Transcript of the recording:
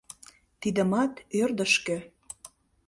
Тидымат — ӧрдыжкӧ!